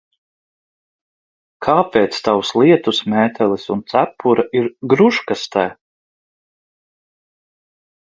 Kāpēc tavs lietusmētelis un cepure ir gružkastē?